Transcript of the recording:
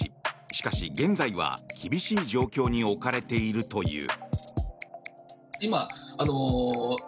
しかし現在は、厳しい状況に置かれているという。